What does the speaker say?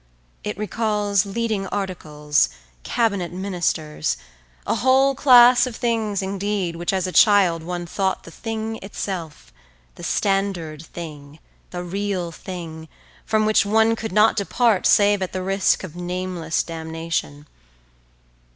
It recalls leading articles, cabinet ministers—a whole class of things indeed which as a child one thought the thing itself, the standard thing, the real thing, from which one could not depart save at the risk of nameless damnation.